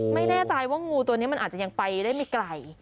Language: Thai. ไม่แน่ใจว่างูตัวนี้มันอาจจะยังไปได้ไม่ไกล